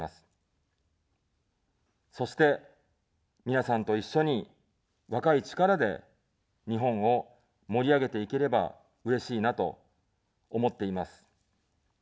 そして、皆さんと一緒に、若い力で日本を盛り上げていければ、うれしいなと思っています。